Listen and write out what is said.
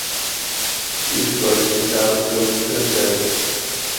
Isso é explicado pelo que precede.